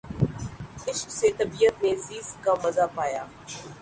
عشق سے طبیعت نے زیست کا مزا پایا